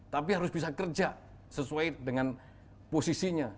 tapi harus bisa kerja sesuai dengan posisinya